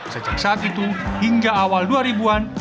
sejak saat itu hingga awal dua ribu an